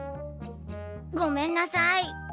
ごめんなさい。